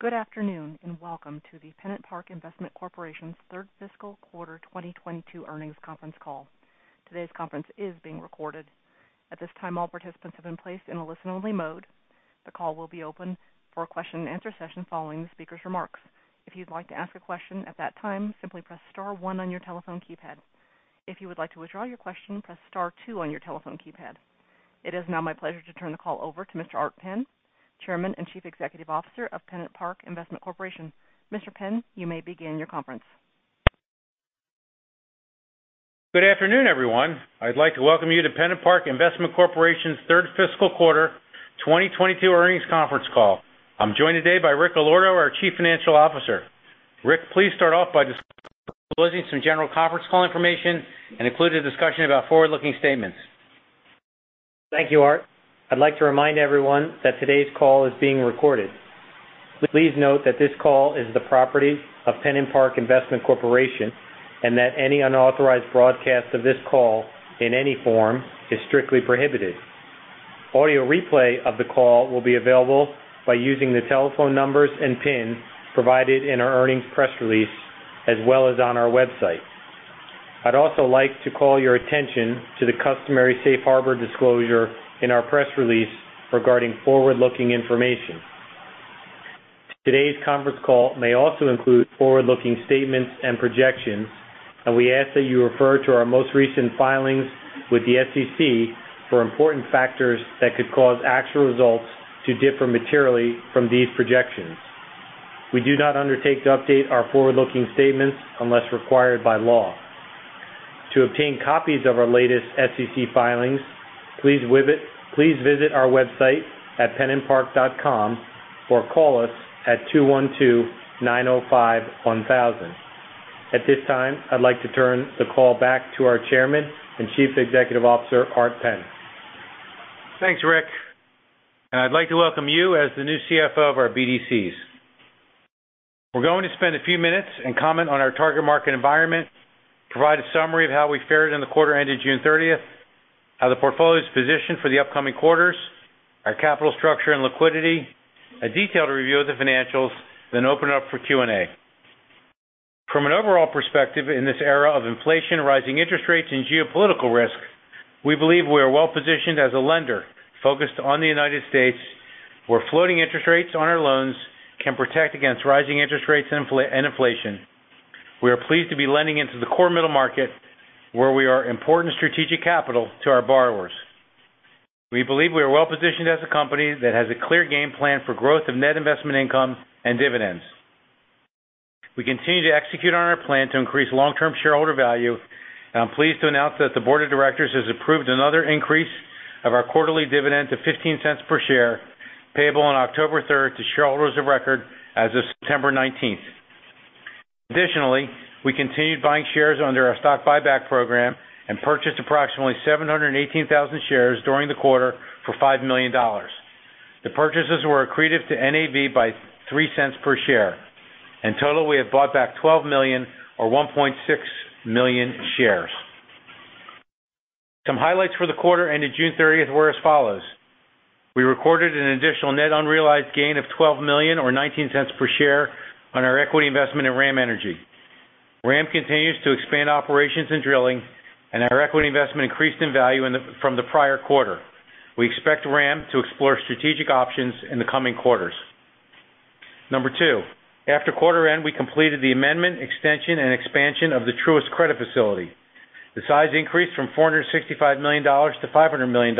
Good afternoon, and welcome to the PennantPark Investment Corporation's Third Fiscal Quarter 2022 Earnings Conference Call. Today's conference is being recorded. At this time, all participants have been placed in a listen-only mode. The call will be open for a question-and-answer session following the speaker's remarks. If you'd like to ask a question at that time, simply press star one on your telephone keypad. If you would like to withdraw your question, press star two on your telephone keypad. It is now my pleasure to turn the call over to Mr. Art Penn, Chairman and Chief Executive Officer of PennantPark Investment Corporation. Mr. Penn, you may begin your conference. Good afternoon, everyone. I'd like to welcome you to PennantPark Investment Corporation's Third Fiscal Quarter 2022 Earnings Conference Call. I'm joined today by Richard Allorto, our Chief Financial Officer. Rick, please start off by disclosing some general conference call information and include a discussion about forward-looking statements. Thank you, Art. I'd like to remind everyone that today's call is being recorded. Please note that this call is the property of PennantPark Investment Corporation, and that any unauthorized broadcast of this call in any form is strictly prohibited. Audio replay of the call will be available by using the telephone numbers and PIN provided in our earnings press release as well as on our website. I'd also like to call your attention to the customary safe harbor disclosure in our press release regarding forward-looking information. Today's conference call may also include forward-looking statements and projections, and we ask that you refer to our most recent filings with the SEC for important factors that could cause actual results to differ materially from these projections. We do not undertake to update our forward-looking statements unless required by law. To obtain copies of our latest SEC filings, please visit our website at pennantpark.com or call us at 212-905-1000. At this time, I'd like to turn the call back to our Chairman and Chief Executive Officer, Art Penn. Thanks, Rick. I'd like to welcome you as the new CFO of our BDCs. We're going to spend a few minutes and comment on our target market environment, provide a summary of how we fared in the quarter ending June 30, how the portfolio is positioned for the upcoming quarters, our capital structure and liquidity, a detailed review of the financials, then open it up for Q&A. From an overall perspective, in this era of inflation, rising interest rates, and geopolitical risk, we believe we are well-positioned as a lender focused on the United States, where floating interest rates on our loans can protect against rising interest rates and inflation. We are pleased to be lending into the core middle market, where we are important strategic capital to our borrowers. We believe we are well-positioned as a company that has a clear game plan for growth of net investment income and dividends. We continue to execute on our plan to increase long-term shareholder value, and I'm pleased to announce that the board of directors has approved another increase of our quarterly dividend to $0.15 per share, payable on October 3rd to shareholders of record as of September 19th. Additionally, we continued buying shares under our stock buyback program and purchased approximately 718,000 shares during the quarter for $5 million. The purchases were accretive to NAV by $0.03 per share. In total, we have bought back 12 million or 1.6 million shares. Some highlights for the quarter ending June 30 were as follows. We recorded an additional net unrealized gain of $12 million or $0.19 per share on our equity investment in RAM Energy. RAM Energy continues to expand operations and drilling, and our equity investment increased in value from the prior quarter. We expect RAM Energy to explore strategic options in the coming quarters. Number two, after quarter end, we completed the amendment, extension, and expansion of the Truist credit facility. The size increased from $465 million to $500 million,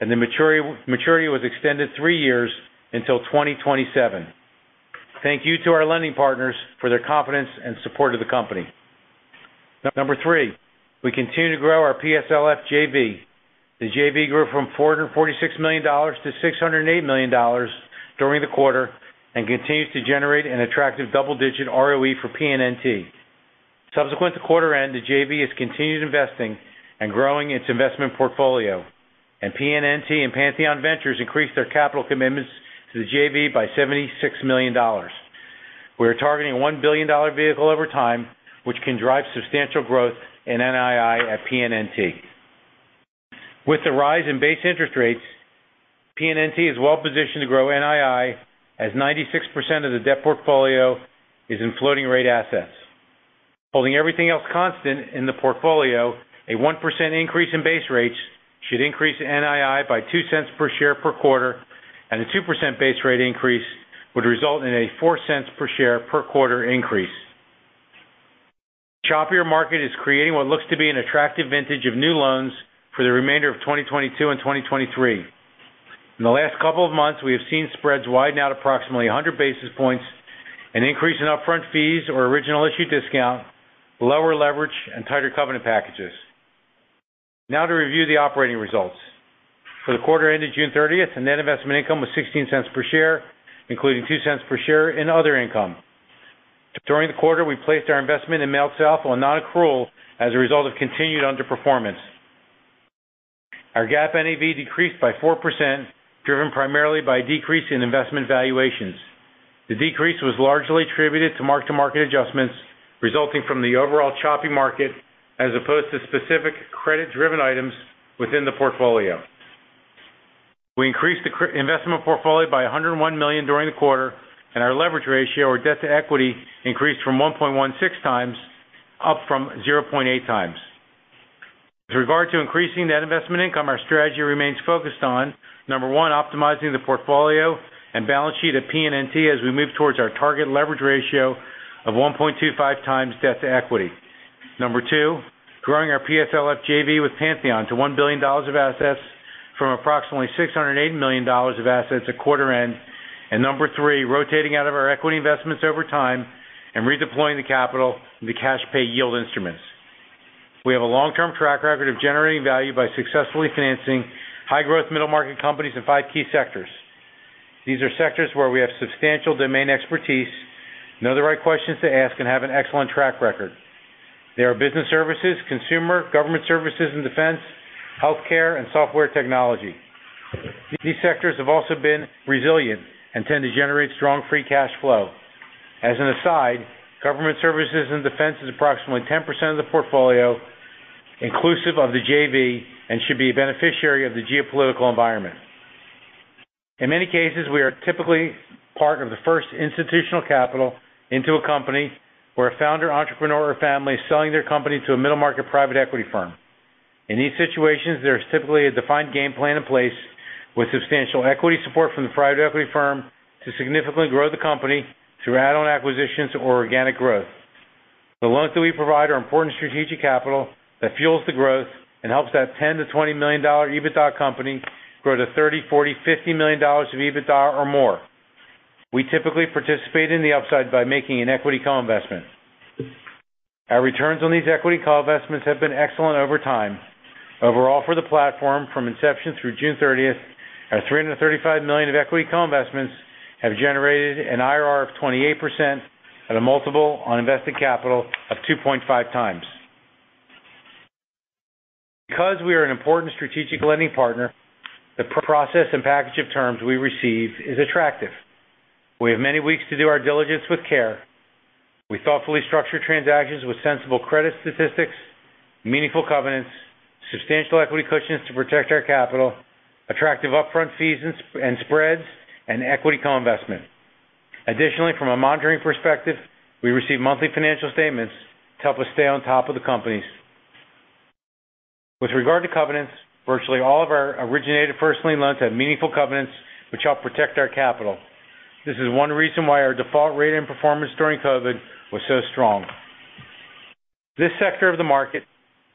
and the maturity was extended three years until 2027. Thank you to our lending partners for their confidence and support of the company. Number three, we continue to grow our PSLF JV. The JV grew from $446 million to $608 million during the quarter and continues to generate an attractive double-digit ROE for PNNT. Subsequent to quarter end, the JV has continued investing and growing its investment portfolio, and PNNT and Pantheon Ventures increased their capital commitments to the JV by $76 million. We are targeting a $1 billion vehicle over time, which can drive substantial growth in NII at PNNT. With the rise in base interest rates, PNNT is well positioned to grow NII, as 96% of the debt portfolio is in floating rate assets. Holding everything else constant in the portfolio, a 1% increase in base rates should increase NII by $0.02 per share per quarter, and a 2% base rate increase would result in a $0.04 per share per quarter increase. Choppier market is creating what looks to be an attractive vintage of new loans for the remainder of 2022 and 2023. In the last couple of months, we have seen spreads widen out approximately 100 basis points, an increase in upfront fees or original issue discount, lower leverage, and tighter covenant packages. Now to review the operating results. For the quarter ending June 30th, the net investment income was $0.16 per share, including $0.02 per share in other income. During the quarter, we placed our investment in MailSouth on nonaccrual as a result of continued underperformance. Our GAAP NAV decreased by 4%, driven primarily by a decrease in investment valuations. The decrease was largely attributed to mark-to-market adjustments resulting from the overall choppy market as opposed to specific credit-driven items within the portfolio. We increased the investment portfolio by $101 million during the quarter, and our leverage ratio or debt to equity increased from 1.16x up from 0.8x. With regard to increasing net investment income, our strategy remains focused on, number one, optimizing the portfolio and balance sheet at PNNT as we move towards our target leverage ratio of 1.25x debt to equity. Number two, growing our PSLF JV with Pantheon to $1 billion of assets from approximately $680 million of assets at quarter end. Number three, rotating out of our equity investments over time and redeploying the capital in the cash pay yield instruments. We have a long-term track record of generating value by successfully financing high-growth middle market companies in five key sectors. These are sectors where we have substantial domain expertise, know the right questions to ask, and have an excellent track record. They are business services, consumer, government services and defense, healthcare, and software technology. These sectors have also been resilient and tend to generate strong free cash flow. As an aside, government services and defense is approximately 10% of the portfolio inclusive of the JV and should be a beneficiary of the geopolitical environment. In many cases, we are typically part of the first institutional capital into a company where a founder, entrepreneur, or family is selling their company to a middle market private equity firm. In these situations, there's typically a defined game plan in place with substantial equity support from the private equity firm to significantly grow the company through add-on acquisitions or organic growth. The loans that we provide are important strategic capital that fuels the growth and helps that $10 million-$20 million EBITDA company grow to $30 million, $40 million, $50 million of EBITDA or more. We typically participate in the upside by making an equity co-investment. Our returns on these equity co-investments have been excellent over time. Overall, for the platform, from inception through June 30th, our $335 million of equity co-investments have generated an IRR of 28% at a multiple on invested capital of 2.5x. Because we are an important strategic lending partner, the process and package of terms we receive is attractive. We have many weeks to do our diligence with care. We thoughtfully structure transactions with sensible credit statistics, meaningful covenants, substantial equity cushions to protect our capital, attractive upfront fees and spreads, and equity co-investment. Additionally, from a monitoring perspective, we receive monthly financial statements to help us stay on top of the companies. With regard to covenants, virtually all of our originated first lien loans have meaningful covenants which help protect our capital. This is one reason why our default rate and performance during COVID was so strong. This sector of the market,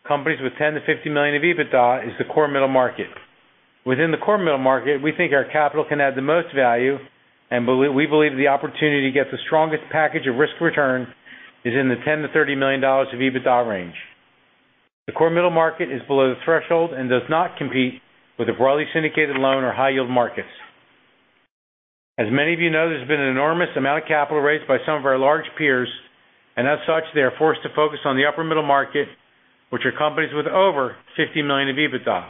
companies with $10 million-$50 million of EBITDA, is the core middle market. Within the core middle market, we think our capital can add the most value, and we believe the opportunity to get the strongest package of risk return is in the $10 million-$30 million of EBITDA range. The core middle market is below the threshold and does not compete with the broadly syndicated loan or high yield markets. As many of you know, there's been an enormous amount of capital raised by some of our large peers. As such, they are forced to focus on the upper middle market, which are companies with over $50 million of EBITDA.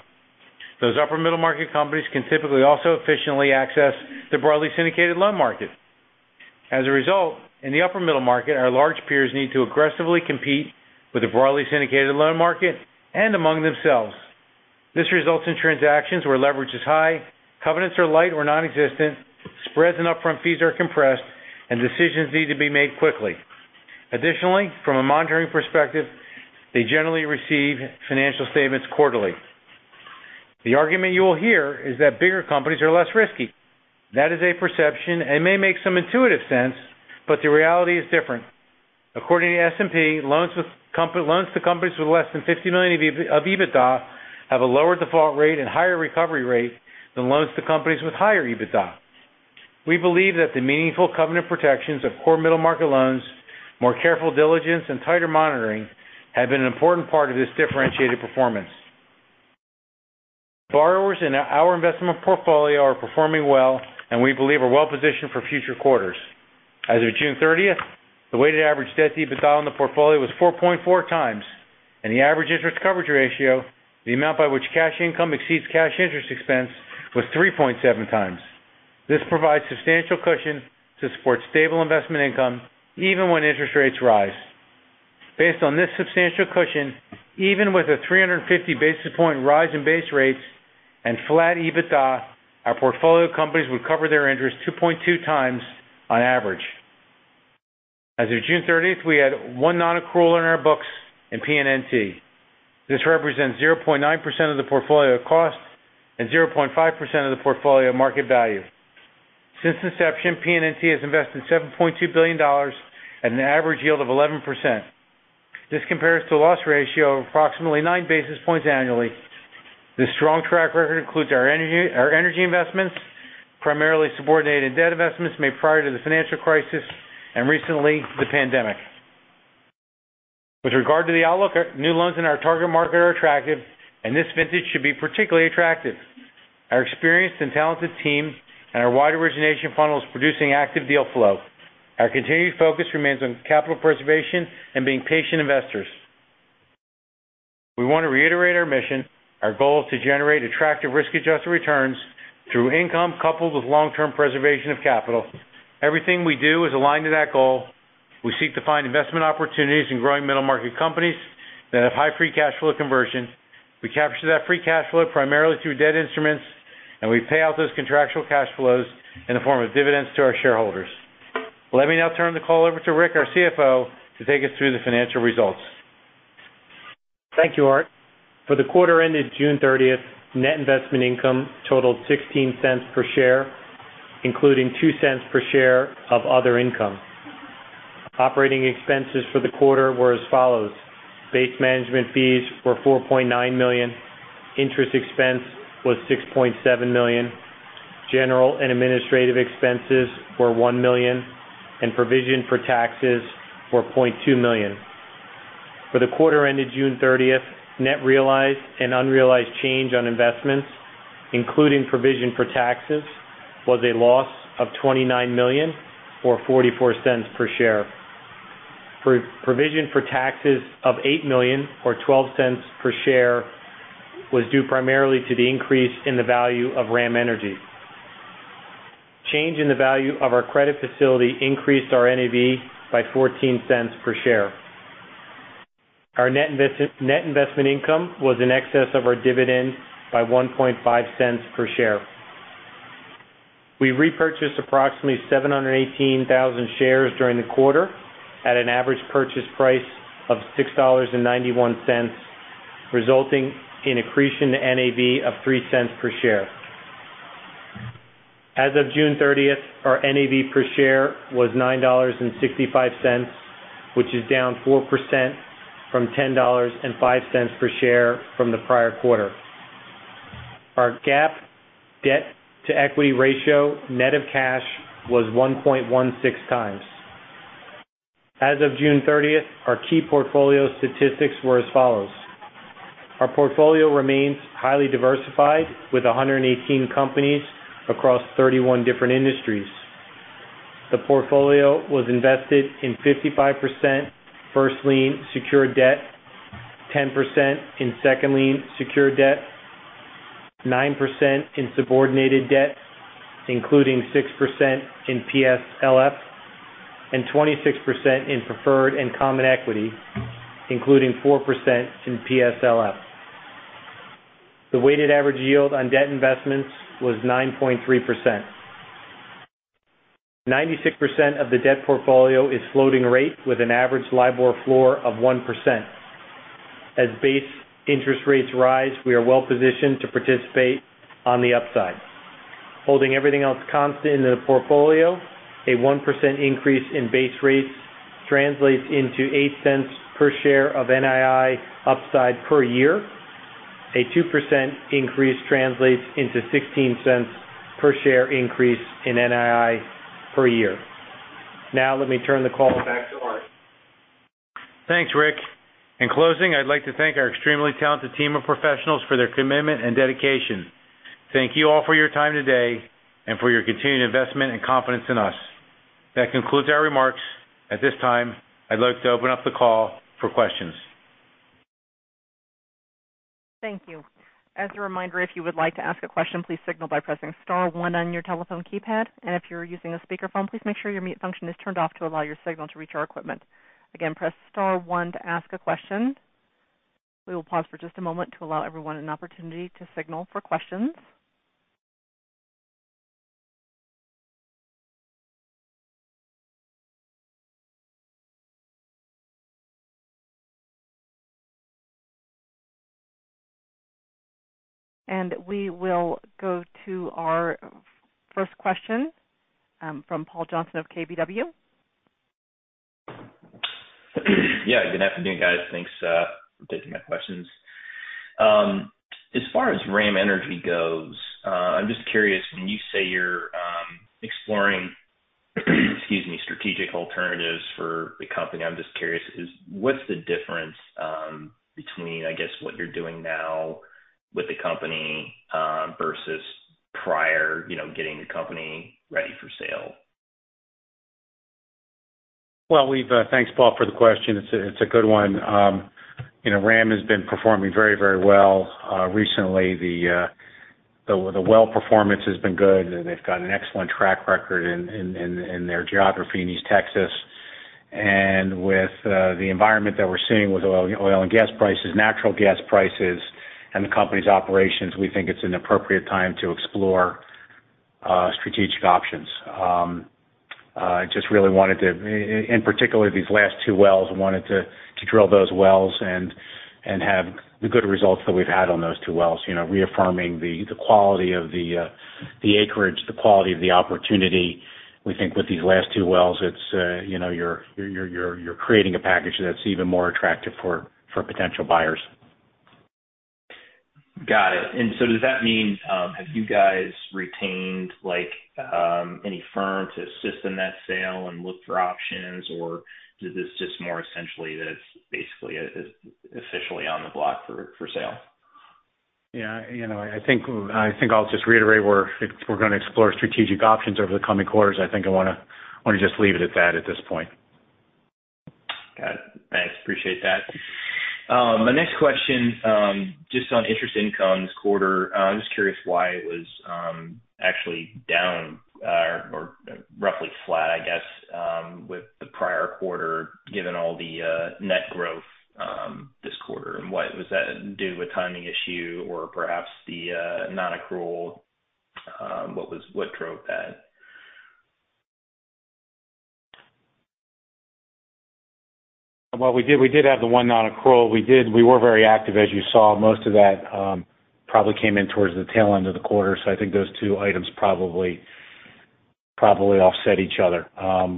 Those upper middle market companies can typically also efficiently access the broadly syndicated loan market. As a result, in the upper middle market, our large peers need to aggressively compete with the broadly syndicated loan market and among themselves. This results in transactions where leverage is high, covenants are light or nonexistent, spreads and upfront fees are compressed, and decisions need to be made quickly. Additionally, from a monitoring perspective, they generally receive financial statements quarterly. The argument you will hear is that bigger companies are less risky. That is a perception and may make some intuitive sense, but the reality is different. According to S&P, loans to companies with less than $50 million of EBITDA have a lower default rate and higher recovery rate than loans to companies with higher EBITDA. We believe that the meaningful covenant protections of core middle market loans, more careful diligence, and tighter monitoring have been an important part of this differentiated performance. Borrowers in our investment portfolio are performing well and we believe are well positioned for future quarters. As of June 30th, the weighted average debt-to-EBITDA on the portfolio was 4.4x, and the average interest coverage ratio, the amount by which cash income exceeds cash interest expense, was 3.7x. This provides substantial cushion to support stable investment income even when interest rates rise. Based on this substantial cushion, even with a 350 basis point rise in base rates and flat EBITDA, our portfolio companies would cover their interest 2.2x on average. As of June 30th, we had one non-accrual in our books in PNNT. This represents 0.9% of the portfolio cost and 0.5% of the portfolio market value. Since inception, PNNT has invested $7.2 billion at an average yield of 11%. This compares to a loss ratio of approximately nine basis points annually. This strong track record includes our energy investments, primarily subordinated debt investments made prior to the financial crisis and recently the pandemic. With regard to the outlook, our new loans in our target market are attractive, and this vintage should be particularly attractive. Our experienced and talented team and our wide origination funnel is producing active deal flow. Our continued focus remains on capital preservation and being patient investors. We want to reiterate our mission, our goal is to generate attractive risk-adjusted returns through income coupled with long-term preservation of capital. Everything we do is aligned to that goal. We seek to find investment opportunities in growing middle-market companies that have high free cash flow conversion. We capture that free cash flow primarily through debt instruments, and we pay out those contractual cash flows in the form of dividends to our shareholders. Let me now turn the call over to Rick, our CFO, to take us through the financial results. Thank you, Art. For the quarter ended June 30th, net investment income totaled $0.16 per share, including $0.02 per share of other income. Operating expenses for the quarter were as follows. Base management fees were $4.9 million. Interest expense was $6.7 million. General and administrative expenses were $1 million. And provision for taxes were $0.2 million. For the quarter ended June 30th, net realized and unrealized change on investments, including provision for taxes, was a loss of $29 million or $0.44 per share. Provision for taxes of $8 million or $0.12 per share was due primarily to the increase in the value of RAM Energy. Change in the value of our credit facility increased our NAV by $0.14 per share. Our net investment income was in excess of our dividend by $0.015 per share. We repurchased approximately 718,000 shares during the quarter at an average purchase price of $6.91, resulting in accretion to NAV of $0.03 per share. As of June 30th, our NAV per share was $9.65, which is down 4% from $10.05 per share from the prior quarter. Our GAAP debt-to-equity ratio, net of cash, was 1.16x. As of June 30th, our key portfolio statistics were as follows. Our portfolio remains highly diversified with 118 companies across 31 different industries. The portfolio was invested in 55% first lien secured debt, 10% in second lien secured debt, 9% in subordinated debt, including 6% in PSLF, and 26% in preferred and common equity, including 4% in PSLF. The weighted average yield on debt investments was 9.3%. 96% of the debt portfolio is floating rate with an average LIBOR floor of 1%. As base interest rates rise, we are well positioned to participate on the upside. Holding everything else constant in the portfolio, a 1% increase in base rates translates into $0.08 per share of NII upside per year. A 2% increase translates into $0.16 per share increase in NII per year. Now let me turn the call back to Art. Thanks, Rick. In closing, I'd like to thank our extremely talented team of professionals for their commitment and dedication. Thank you all for your time today and for your continued investment and confidence in us. That concludes our remarks. At this time, I'd like to open up the call for questions. Thank you. As a reminder, if you would like to ask a question, please signal by pressing star one on your telephone keypad. If you're using a speakerphone, please make sure your mute function is turned off to allow your signal to reach our equipment. Again, press star one to ask a question. We will pause for just a moment to allow everyone an opportunity to signal for questions. We will go to our first question, from Paul Johnson of KBW. Yeah, good afternoon, guys. Thanks for taking my questions. As far as RAM Energy goes, I'm just curious, when you say you're exploring, excuse me, strategic alternatives for the company, I'm just curious, what's the difference between, I guess, what you're doing now with the company versus prior, you know, getting the company ready for sale? Well, thanks, Paul, for the question. It's a good one. You know, RAM has been performing very well. Recently, the well performance has been good. They've got an excellent track record in their geography in East Texas. With the environment that we're seeing with oil and gas prices, natural gas prices, and the company's operations, we think it's an appropriate time to explore strategic options. I just really wanted to, in particular, drill these last two wells and have the good results that we've had on those two wells, you know, reaffirming the quality of the acreage, the quality of the opportunity. We think with these last two wells, it's, you know, you're creating a package that's even more attractive for potential buyers. Got it. Does that mean, have you guys retained, like, any firm to assist in that sale and look for options? Or is this just more essentially that it's basically officially on the block for sale? Yeah. You know, I think I'll just reiterate, we're gonna explore strategic options over the coming quarters. I think I wanna just leave it at that at this point. Got it. Thanks. Appreciate that. My next question, just on interest income this quarter. I'm just curious why it was actually down, or roughly flat, I guess, with the prior quarter, given all the net growth this quarter. Why? Was that due to a timing issue or perhaps the non-accrual? What drove that? Well, we did have the one non-accrual. We were very active, as you saw. Most of that probably came in towards the tail end of the quarter. I think those two items probably offset each other.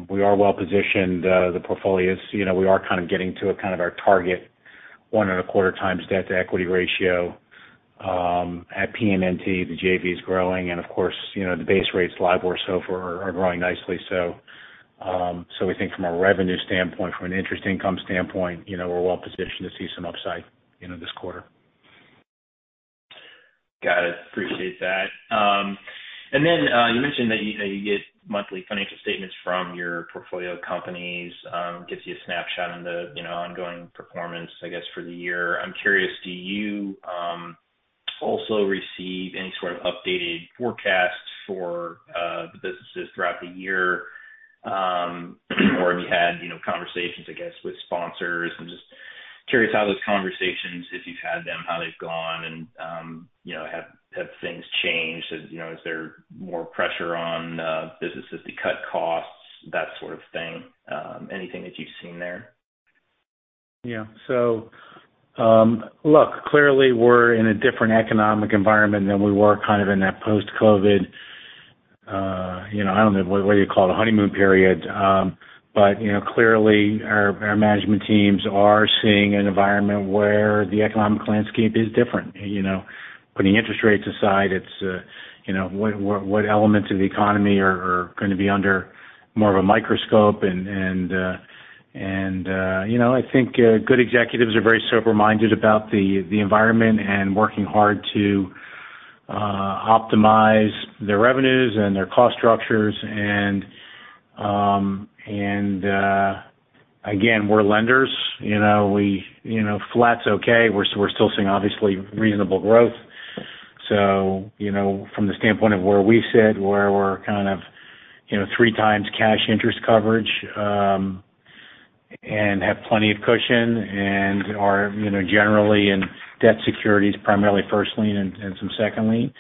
We are well positioned. The portfolio is, you know, we are kind of getting to a kind of our target 1.25x debt to equity ratio at PNNT. The JV is growing and of course, you know, the base rates, LIBOR, SOFR are growing nicely. We think from a revenue standpoint, from an interest income standpoint, you know, we're well positioned to see some upside, you know, this quarter. Got it. Appreciate that. You mentioned that you get monthly financial statements from your portfolio companies, gives you a snapshot into you know, ongoing performance, I guess, for the year. I'm curious, do you also receive any sort of updated forecasts for the businesses throughout the year? Have you had you know, conversations, I guess, with sponsors? I'm just curious how those conversations, if you've had them, how they've gone and you know, have things changed? You know, is there more pressure on businesses to cut costs, that sort of thing? Anything that you've seen there? Yeah. Look, clearly we're in a different economic environment than we were kind of in that post-COVID, I don't know what you call it, a honeymoon period. Clearly our management teams are seeing an environment where the economic landscape is different. Putting interest rates aside, it's what elements of the economy are gonna be under more of a microscope. I think good executives are very sober-minded about the environment and working hard to optimize their revenues and their cost structures. Again, we're lenders. Flat's okay. We're still seeing obviously reasonable growth. You know, from the standpoint of where we sit, where we're kind of, you know, three times cash interest coverage, and have plenty of cushion and are, you know, generally in debt securities primarily first lien and some second lien.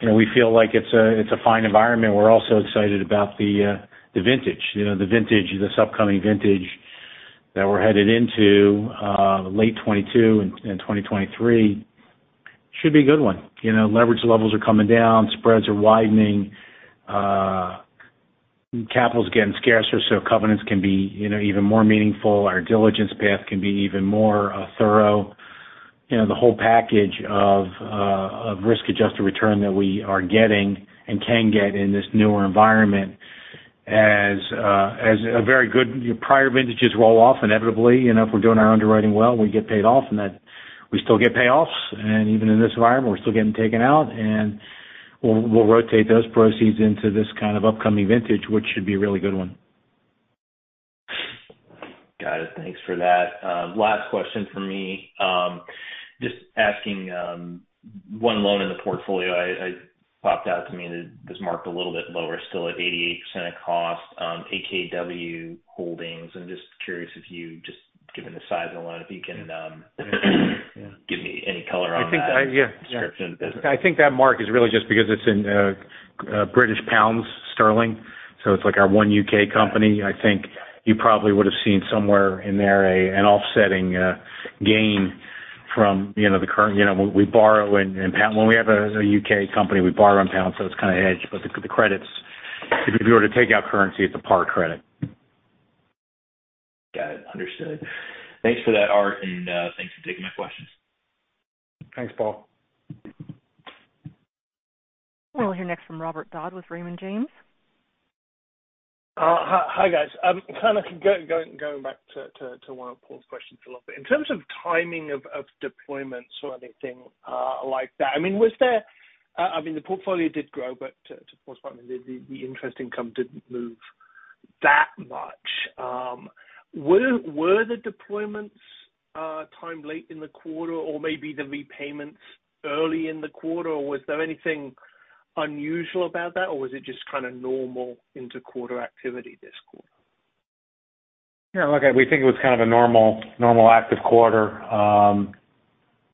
You know, we feel like it's a fine environment. We're also excited about the vintage. You know, the vintage, this upcoming vintage that we're headed into, late 2022 and 2023 should be a good one. You know, leverage levels are coming down, spreads are widening, capital's getting scarcer, so covenants can be, you know, even more meaningful. Our diligence path can be even more thorough. You know, the whole package of risk-adjusted return that we are getting and can get in this newer environment is a very good. Prior vintages roll off inevitably. You know, if we're doing our underwriting well, we get paid off and that we still get payoffs. Even in this environment, we're still getting taken out, and we'll rotate those proceeds into this kind of upcoming vintage, which should be a really good one. Got it. Thanks for that. Last question from me. Just asking, one loan in the portfolio popped out to me that was marked a little bit lower, still at 88% of cost, AKW Holdings. I'm just curious if you just, given the size of the loan, if you can, give me any color on that? Yeah. -description. I think that mark is really just because it's in British pounds sterling, so it's like our one U.K. company. I think you probably would have seen somewhere in there an offsetting gain from, you know, the currency. You know, when we have a U.K. company, we borrow in pounds, so it's kinda hedged. But the credits, if you were to take out currency, it's a par credit. Got it. Understood. Thanks for that, Art, and thanks for taking my questions. Thanks, Paul. We'll hear next from Robert Dodd with Raymond James. Hi, guys. Going back to one of Paul's questions a little bit. In terms of timing of deployments or anything like that, I mean, the portfolio did grow, but to Paul's point, I mean, the interest income didn't move that much. Were the deployments timed late in the quarter or maybe the repayments early in the quarter, or was there anything unusual about that, or was it just kinda normal inter-quarter activity this quarter? Yeah. Look, we think it was kind of a normal active quarter.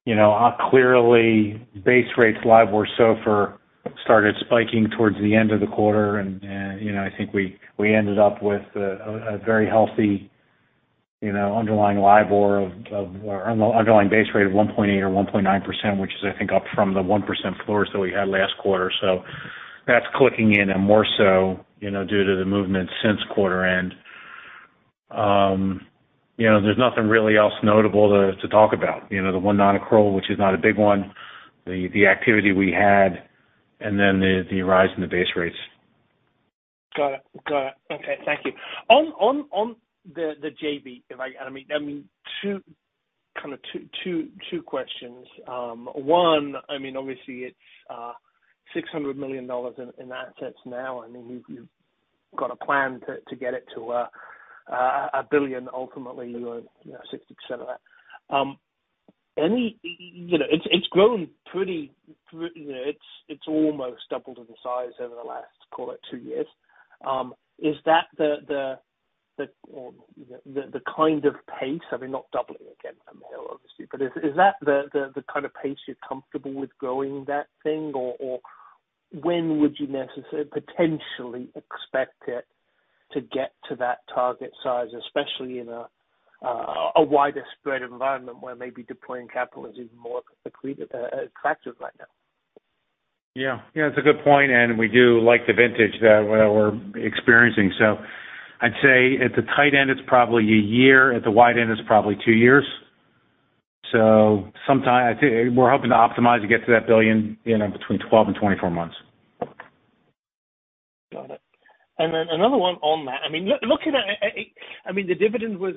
You know, clearly base rates, LIBOR, SOFR started spiking towards the end of the quarter and, you know, I think we ended up with a very healthy, you know, underlying LIBOR or underlying base rate of 1.8% or 1.9%, which is I think up from the 1% floors that we had last quarter. That's clicking in and more so, you know, due to the movement since quarter end. You know, there's nothing really else notable to talk about. You know, the one non-accrual, which is not a big one, the activity we had, and then the rise in the base rates. Got it. Okay, thank you. On the JV, I mean, two- Kind of two questions. One, I mean, obviously it's $600 million in assets now. I mean, you've got a plan to get it to $1 billion ultimately, you own, you know, 60% of that. Anyway, you know, it's grown pretty, you know, it's almost doubled in size over the last two years. Is that the kind of pace, I mean, not doubling again from here, obviously, but is that the kind of pace you're comfortable with growing that thing or when would you necessarily potentially expect it to get to that target size, especially in a wider spread environment where maybe deploying capital is even more attractive right now? Yeah. Yeah, it's a good point, and we do like the vintage that we're experiencing. I'd say at the tight end, it's probably a year. At the wide end, it's probably two years. Sometime I'd say we're hoping to optimize to get to that $1 billion, you know, between 12 and 24 months. Got it. Another one on that. I mean, looking at it, I mean, the dividend was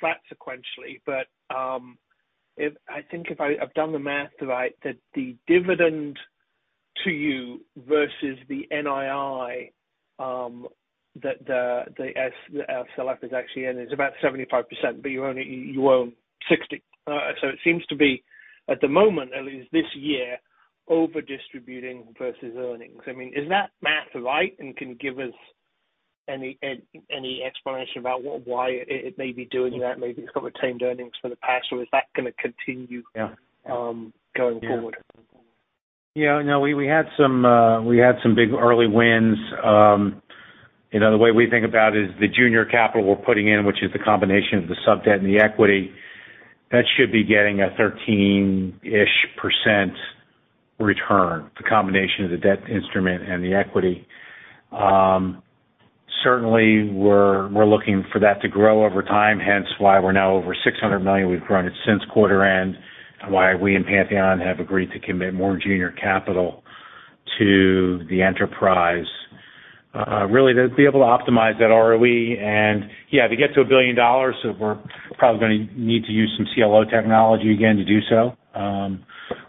flat sequentially, but I think if I've done the math right, that the dividend to you versus the NII, that the PSLF is actually in is about 75%, but you only own 60. So it seems to be at the moment, at least this year, overdistributing versus earnings. I mean, is that math right? Can you give us any explanation about why it may be doing that? Maybe it's got retained earnings for the past, or is that gonna continue? Yeah. Going forward? Yeah. No. We had some big early wins. You know, the way we think about it is the junior capital we're putting in, which is the combination of the sub debt and the equity, that should be getting a 13-ish% return, the combination of the debt instrument and the equity. Certainly we're looking for that to grow over time, hence why we're now over $600 million. We've grown it since quarter end, and why we and Pantheon have agreed to commit more junior capital to the enterprise, really to be able to optimize that ROE. Yeah, to get to $1 billion, we're probably gonna need to use some CLO technology again to do so,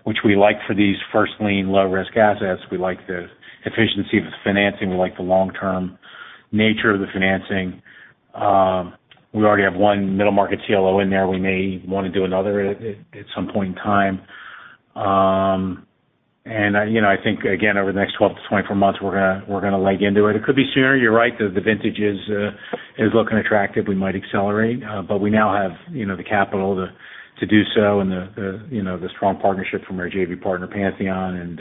which we like for these first lien low risk assets. We like the efficiency of the financing. We like the long-term nature of the financing. We already have one middle market CLO in there. We may want to do another at some point in time. I think again, over the next 12-24 months, we're gonna leg into it. It could be sooner. You're right. The vintage is looking attractive. We might accelerate, but we now have the capital to do so. The strong partnership from our JV partner, Pantheon.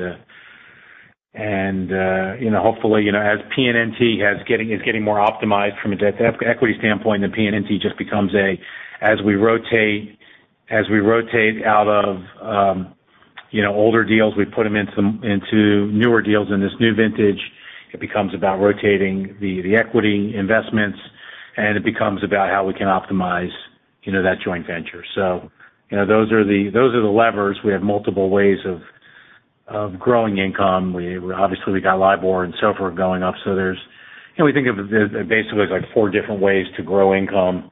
Hopefully, as PNNT is getting more optimized from a debt equity standpoint, then PNNT just becomes a, as we rotate out of older deals, we put them into newer deals in this new vintage. It becomes about rotating the equity investments, and it becomes about how we can optimize, you know, that joint venture. You know, those are the levers. We have multiple ways of growing income. We obviously got LIBOR and so forth going up. There's, you know, we think of the basically as like four different ways to grow income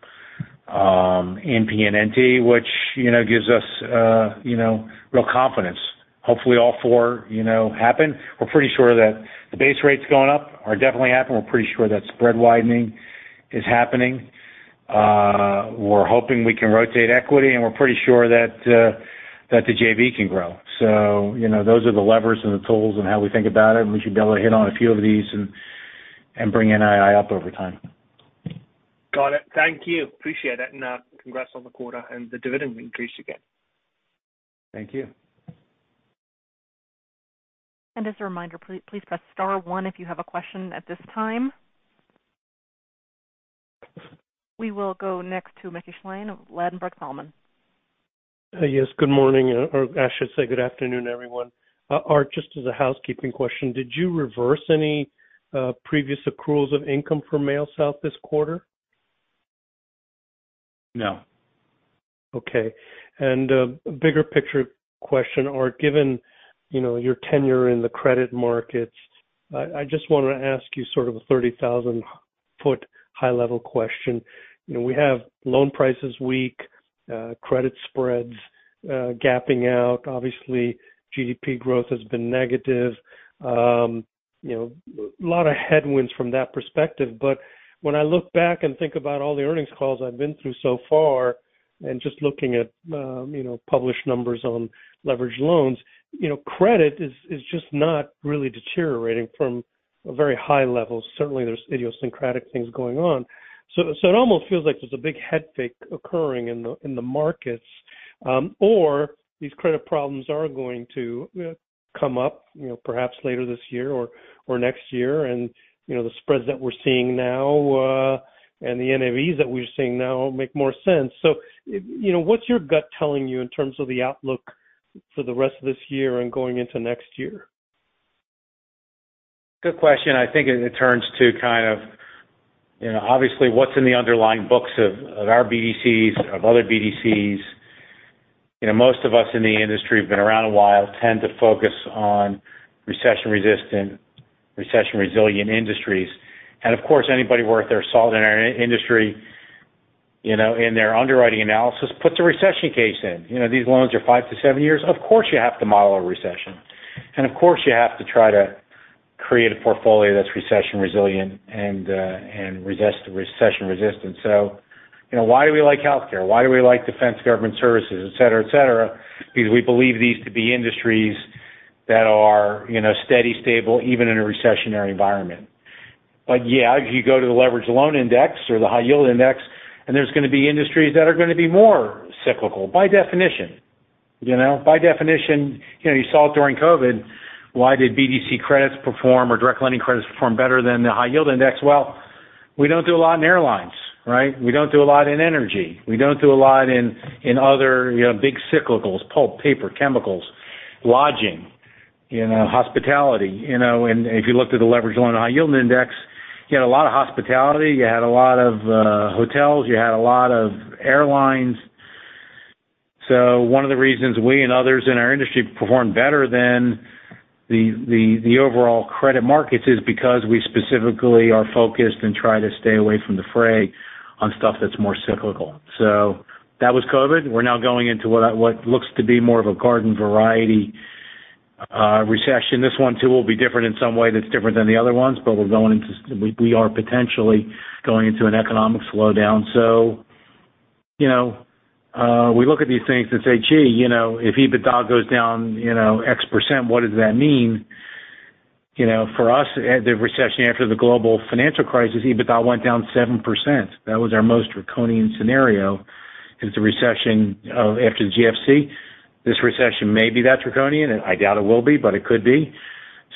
in PNNT, which, you know, gives us, you know, real confidence. Hopefully all four, you know, happen. We're pretty sure that the base rates going up are definitely happening. We're pretty sure that spread widening is happening. We're hoping we can rotate equity, and we're pretty sure that the JV can grow. You know, those are the levers and the tools and how we think about it, and we should be able to hit on a few of these and bring NII up over time. Got it. Thank you. Appreciate it. Congrats on the quarter and the dividend increase again. Thank you. As a reminder, please press star one if you have a question at this time. We will go next to Mickey Schleien of Ladenburg Thalmann. Yes, good morning, or I should say good afternoon, everyone. Art, just as a housekeeping question, did you reverse any previous accruals of income for MailSouth this quarter? No. Okay. Bigger picture question, Art. Given, you know, your tenure in the credit markets, I just wanna ask you sort of a 30,000-foot high level question. You know, we have loan prices weak, credit spreads gapping out. Obviously, GDP growth has been negative. You know, lot of headwinds from that perspective. But when I look back and think about all the earnings calls I've been through so far and just looking at, you know, published numbers on leveraged loans, you know, credit is just not really deteriorating from a very high level. Certainly, there's idiosyncratic things going on. So it almost feels like there's a big head fake occurring in the markets, or these credit problems are going to come up, you know, perhaps later this year or next year. You know, the spreads that we're seeing now and the NAVs that we're seeing now make more sense. You know, what's your gut telling you in terms of the outlook for the rest of this year and going into next year? Good question. I think it turns to kind of, you know, obviously what's in the underlying books of our BDC, other BDC. You know, most of us in the industry who've been around a while tend to focus on recession-resistant, recession-resilient industries. Of course, anybody worth their salt in our industry, you know, in their underwriting analysis puts a recession case in. You know, these loans are five to seven years. Of course, you have to model a recession. Of course, you have to try to create a portfolio that's recession resilient and recession-resistant. You know, why do we like healthcare? Why do we like defense government services, et cetera, et cetera? Because we believe these to be industries that are, you know, steady, stable, even in a recessionary environment. Yeah, if you go to the leveraged loan index or the high yield index, and there's gonna be industries that are gonna be more cyclical by definition. You know, by definition, you know, you saw it during COVID. Why did BDC credits perform or direct lending credits perform better than the high yield index? Well, we don't do a lot in airlines, right? We don't do a lot in energy. We don't do a lot in other, you know, big cyclicals, pulp, paper, chemicals, lodging, you know, hospitality. You know, and if you looked at the leveraged loan and high yield index, you had a lot of hospitality, you had a lot of hotels, you had a lot of airlines. One of the reasons we and others in our industry perform better than the overall credit markets is because we specifically are focused and try to stay away from the fray on stuff that's more cyclical. That was COVID. We're now going into what looks to be more of a garden variety recession. This one, too, will be different in some way that's different than the other ones, but we are potentially going into an economic slowdown. You know, we look at these things and say, "Gee, you know, if EBITDA goes down, you know, X%, what does that mean?" You know, for us, at the recession after the global financial crisis, EBITDA went down 7%. That was our most draconian scenario, is the recession after the GFC. This recession may be that draconian. I doubt it will be, but it could be.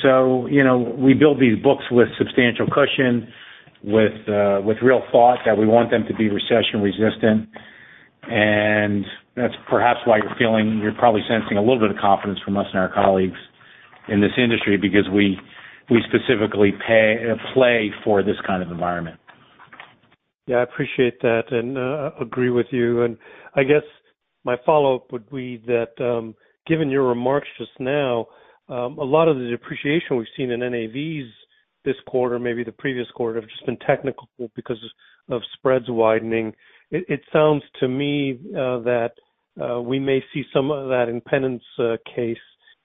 You know, we build these books with substantial cushion, with real thought that we want them to be recession-resistant. That's perhaps why you're probably sensing a little bit of confidence from us and our colleagues in this industry because we specifically play for this kind of environment. Yeah, I appreciate that and agree with you. I guess my follow-up would be that, given your remarks just now, a lot of the depreciation we've seen in NAVs this quarter, maybe the previous quarter, have just been technical because of spreads widening. It sounds to me that we may see some of that impedance case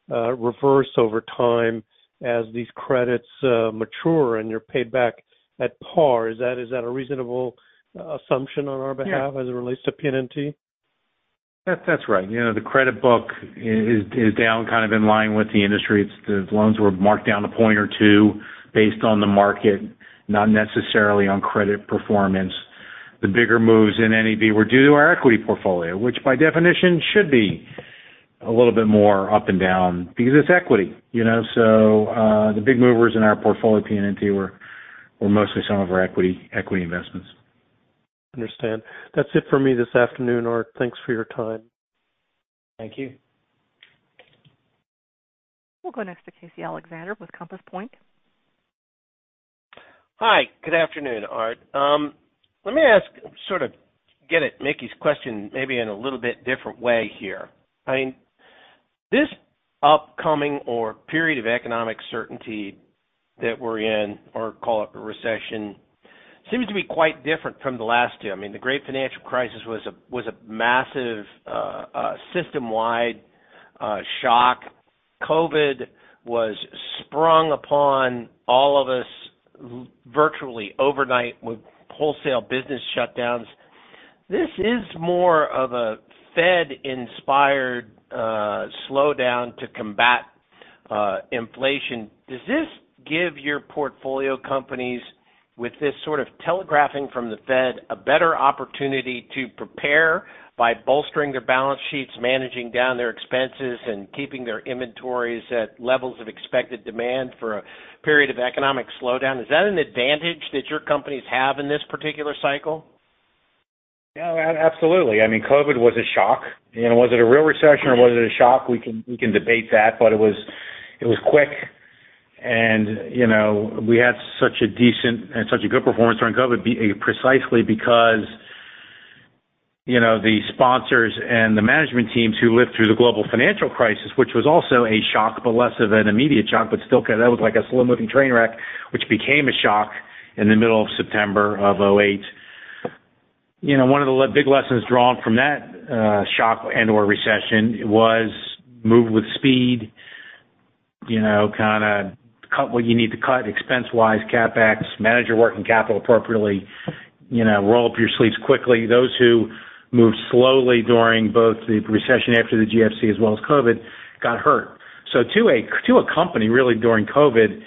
reverse over time as these credits mature and you're paid back at par. Is that a reasonable assumption on our behalf? Yeah. as it relates to PNNT? That's right. You know, the credit book is down kind of in line with the industry. The loans were marked down a point or two based on the market, not necessarily on credit performance. The bigger moves in NAV were due to our equity portfolio, which by definition should be a little bit more up and down because it's equity, you know. The big movers in our portfolio, PNNT, were mostly some of our equity investments. Understand. That's it for me this afternoon, Art. Thanks for your time. Thank you. We'll go next to Casey Alexander with Compass Point. Hi. Good afternoon, Art. Let me ask, sort of get at Mickey's question maybe in a little bit different way here. I mean, this upcoming or period of economic uncertainty that we're in or call it a recession, seems to be quite different from the last two. I mean, the Great Financial Crisis was a massive, system-wide shock. COVID was sprung upon all of us virtually overnight with wholesale business shutdowns. This is more of a Fed-inspired slowdown to combat inflation. Does this give your portfolio companies with this sort of telegraphing from the Fed a better opportunity to prepare by bolstering their balance sheets, managing down their expenses, and keeping their inventories at levels of expected demand for a period of economic slowdown? Is that an advantage that your companies have in this particular cycle? Yeah. Absolutely. I mean, COVID was a shock. You know, was it a real recession or was it a shock? We can debate that, but it was quick. You know, we had such a decent and such a good performance during COVID precisely because, you know, the sponsors and the management teams who lived through the global financial crisis, which was also a shock, but less of an immediate shock, but still that looked like a slow-moving train wreck, which became a shock in the middle of September of 2008. You know, one of the big lessons drawn from that shock and/or recession was move with speed, you know, kinda cut what you need to cut expense-wise, CapEx, manage your working capital appropriately, you know, roll up your sleeves quickly. Those who moved slowly during both the recession after the GFC as well as COVID got hurt. To a company really during COVID,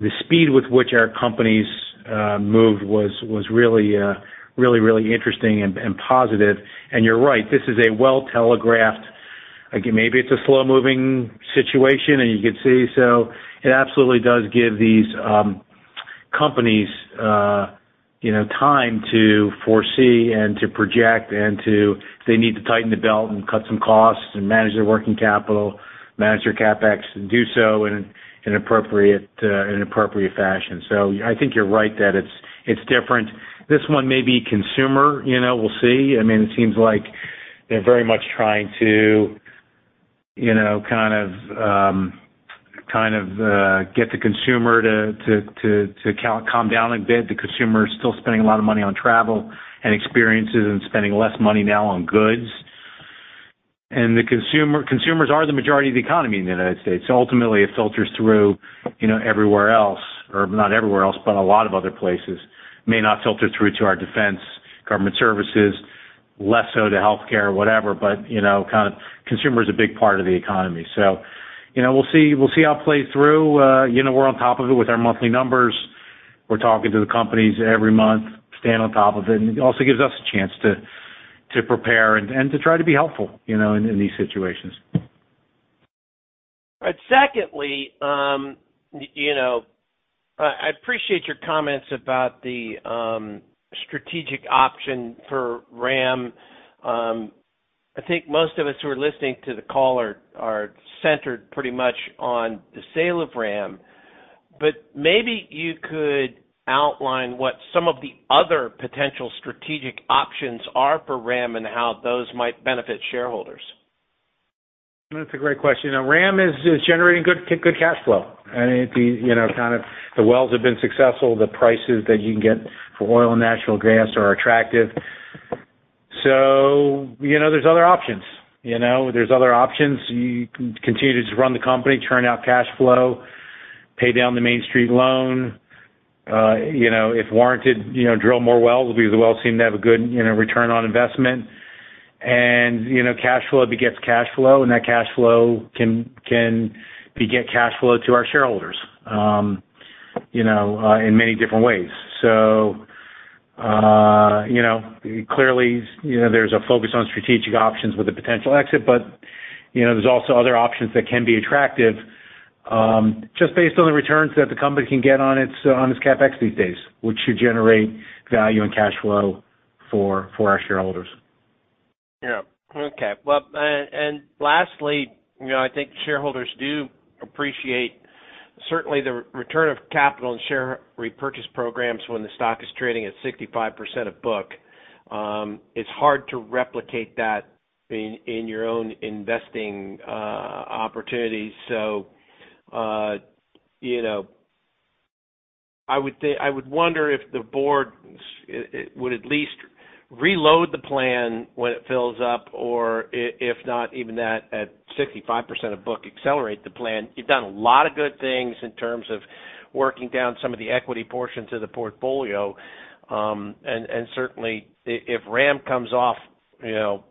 the speed with which our companies moved was really interesting and positive. You're right, this is a well-telegraphed, like maybe it's a slow-moving situation, and you could see. It absolutely does give these companies you know time to foresee and to project and if they need to tighten the belt and cut some costs and manage their working capital, manage their CapEx, and do so in an appropriate fashion. I think you're right that it's different. This one may be consumer, you know. We'll see. I mean, it seems like they're very much trying to. You know, kind of, get the consumer to calm down a bit. The consumer is still spending a lot of money on travel and experiences and spending less money now on goods. The consumer, consumers are the majority of the economy in the United States. Ultimately, it filters through, you know, everywhere else, or not everywhere else, but a lot of other places. May not filter through to our defense, government services, less so to healthcare, whatever. You know, kind of consumer is a big part of the economy. You know, we'll see how it plays through. You know, we're on top of it with our monthly numbers. We're talking to the companies every month, staying on top of it. It also gives us a chance to prepare and to try to be helpful, you know, in these situations. Secondly, you know, I appreciate your comments about the strategic option for RAM. I think most of us who are listening to the call are centered pretty much on the sale of RAM. Maybe you could outline what some of the other potential strategic options are for RAM and how those might benefit shareholders. That's a great question. Now RAM is generating good cash flow. It you know kind of the wells have been successful. The prices that you can get for oil and natural gas are attractive. You know, there's other options. You can continue to run the company, churn out cash flow, pay down the Main Street loan. You know, if warranted, you know, drill more wells, because the wells seem to have a good you know return on investment. You know, cash flow begets cash flow, and that cash flow can beget cash flow to our shareholders, you know, in many different ways. You know, clearly, you know, there's a focus on strategic options with a potential exit, but, you know, there's also other options that can be attractive, just based on the returns that the company can get on its CapEx these days, which should generate value and cash flow for our shareholders. Yeah. Okay. Well, lastly, you know, I think shareholders do appreciate certainly the return of capital and share repurchase programs when the stock is trading at 65% of book. It's hard to replicate that in your own investing opportunities. I would wonder if the board would at least reload the plan when it fills up, or if not even that, at 65% of book accelerate the plan. You've done a lot of good things in terms of working down some of the equity portions of the portfolio. Certainly, if RAM comes off, you know,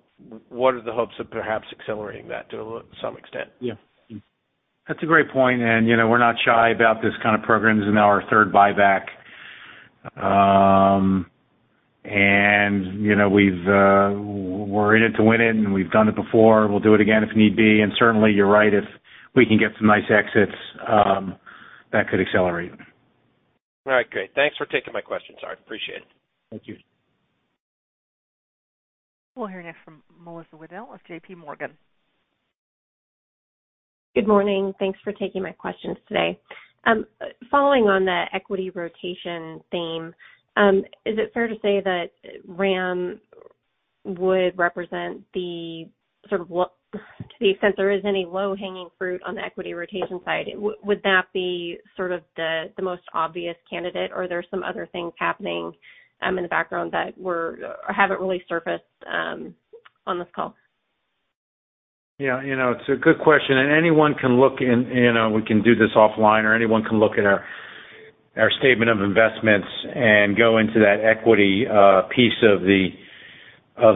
what are the hopes of perhaps accelerating that to some extent? Yeah. That's a great point. You know, we're not shy about this kind of programs and now our third buyback. You know, we're in it to win it, and we've done it before. We'll do it again if need be. Certainly you're right, if we can get some nice exits, that could accelerate. All right, great. Thanks for taking my questions, Art. Appreciate it. Thank you. We'll hear next from Melissa Wedel of J.P. Morgan. Good morning. Thanks for taking my questions today. Following on the equity rotation theme, is it fair to say that RAM would represent the sort of low- to the extent there is any low-hanging fruit on the equity rotation side, would that be sort of the most obvious candidate, or are there some other things happening in the background that were or haven't really surfaced on this call? Yeah. You know, it's a good question. Anyone can look in, you know, we can do this offline or anyone can look at our statement of investments and go into that equity piece of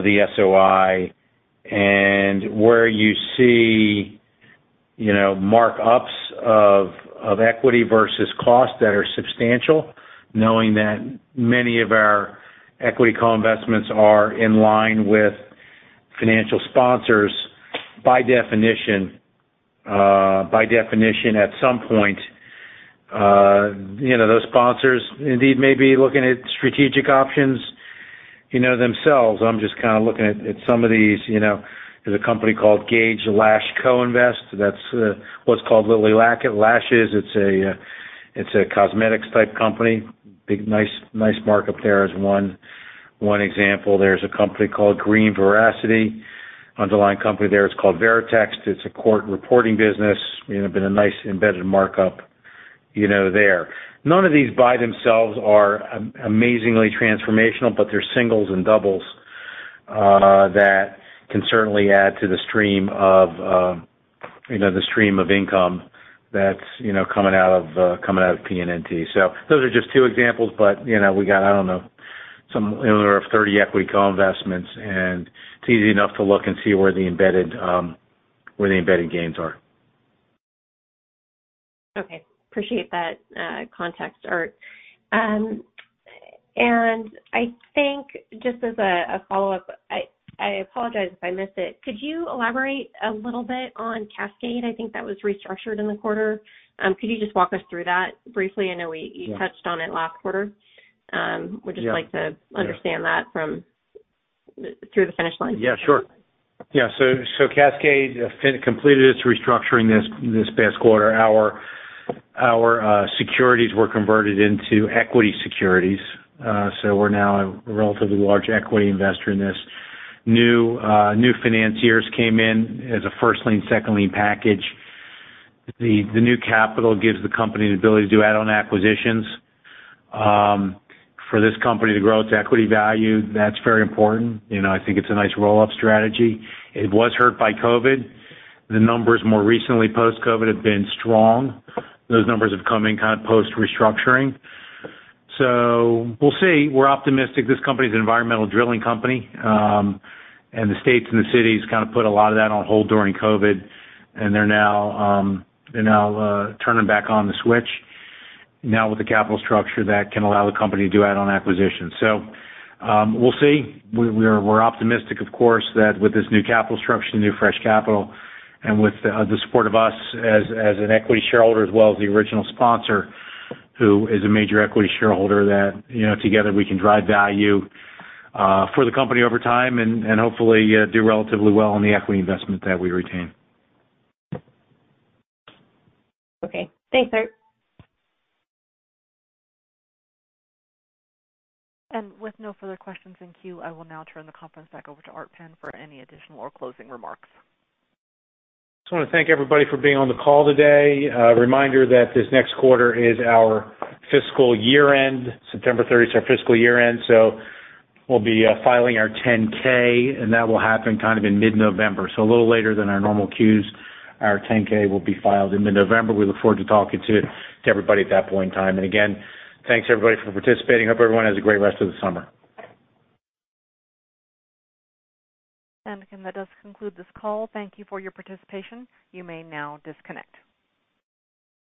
the SOI. Where you see, you know, markups of equity versus costs that are substantial, knowing that many of our equity co-investments are in line with financial sponsors, by definition, at some point, you know, those sponsors indeed may be looking at strategic options, you know, themselves. I'm just kind of looking at some of these, you know. There's a company called LashCo Invest That's what's called Lilly Lashes. It's a cosmetics type company. Big, nice markup there as one example. There's a company called Green Veracity. Underlying company there is called Veritext. It's a court reporting business. You know, been a nice embedded markup, you know, there. None of these by themselves are amazingly transformational, but they're singles and doubles that can certainly add to the stream of income that's you know coming out of PNNT. So those are just two examples. You know, we got, I don't know, some 30 equity co-investments, and it's easy enough to look and see where the embedded gains are. Okay. Appreciate that, context, Art. I think just as a follow-up, I apologize if I missed it. Could you elaborate a little bit on Cascade? I think that was restructured in the quarter. Could you just walk us through that briefly? I know we Yeah. You touched on it last quarter. Yeah. We'd just like to- Yeah. Understand that from through the finish line. Yeah, sure. Yeah. Cascade completed its restructuring this past quarter. Our securities were converted into equity securities. We're now a relatively large equity investor in this. New financiers came in as a first lien, second lien package. The new capital gives the company the ability to do add-on acquisitions. For this company to grow its equity value, that's very important. You know, I think it's a nice roll-up strategy. It was hurt by COVID. The numbers more recently post-COVID have been strong. Those numbers have come in kind of post-restructuring. We'll see. We're optimistic. This company's an environmental drilling company, and the states and the cities kind of put a lot of that on hold during COVID, and they're now turning back on the switch. Now with the capital structure, that can allow the company to do add-on acquisitions. We'll see. We're optimistic of course, that with this new capital structure, new fresh capital, and with the support of us as an equity shareholder as well as the original sponsor, who is a major equity shareholder, that you know, together, we can drive value for the company over time and hopefully do relatively well on the equity investment that we retain. Okay. Thanks, Art. With no further questions in queue, I will now turn the conference back over to Art Penn for any additional or closing remarks. Just wanna thank everybody for being on the call today. Reminder that this next quarter is our fiscal year-end. September thirtieth is our fiscal year-end, so we'll be filing our 10-K, and that will happen kind of in mid-November, so a little later than our normal 10-Qs. Our 10-K will be filed in mid-November. We look forward to talking to everybody at that point in time. Again, thanks everybody for participating. Hope everyone has a great rest of the summer. That does conclude this call. Thank you for your participation. You may now disconnect.